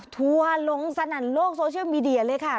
ทัวร์ลงสนั่นโลกโซเชียลมีเดียเลยค่ะ